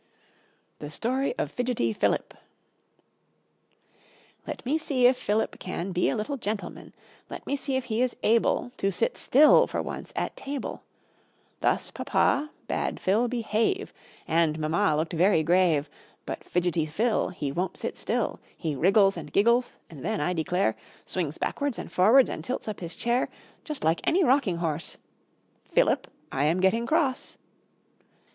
The Story of Fidgety Philip "Let me see if Philip can Be a little gentleman; Let me see if he is able To sit still for once at table": Thus Papa bade Phil behave; And Mamma looked very grave. But fidgety Phil, He won't sit still; He wriggles, And giggles, And then, I declare, Swings backwards and forwards, And tilts up his chair, Just like any rocking horse "Philip! I am getting cross!"